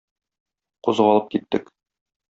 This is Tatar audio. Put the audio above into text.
Кузгалып киттек.